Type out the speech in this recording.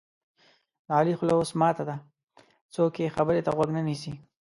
د علي خوله اوس ماته ده څوک یې خبرې ته غوږ نه نیسي.